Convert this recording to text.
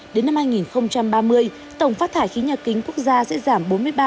đến năm hai nghìn ba mươi tổng phát thải khí nhà kính quốc gia sẽ giảm bốn mươi ba